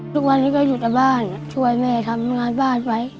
ทุกวันนี้ก็อยู่แต่บ้านช่วยแม่ทำงานบ้านไว้